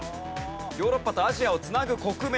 ヨーロッパとアジアを繋ぐ国名。